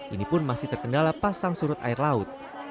ini pun masih terkendala pasang surut air laut